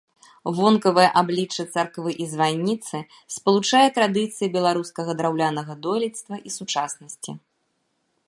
Вонкавае аблічча царквы і званіцы спалучае традыцыі беларускага драўлянага дойлідства і сучаснасці.